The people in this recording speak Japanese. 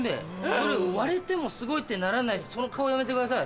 それ割れてもすごいってならないしその顔やめてください。